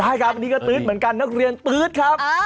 ใช่ครับอันนี้ก็ตื๊ดเหมือนกันนักเรียนตื๊ดครับ